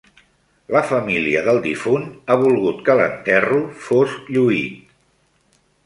La família del difunt ha volgut que l'enterro fos lluit.